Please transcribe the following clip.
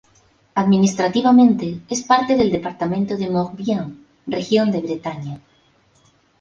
Administrativamente es parte del departamento de Morbihan, región de Bretaña.